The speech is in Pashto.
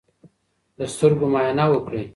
د سترګو معاینه وکړئ.